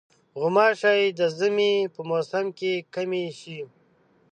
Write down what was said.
غوماشې د ژمي په موسم کې کمې شي.